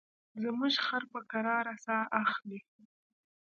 زموږ خر په کراره ساه اخلي.